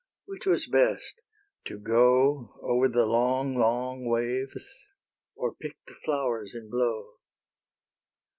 Which was best? to go Over the long, long waves, or pick The flowers in blow?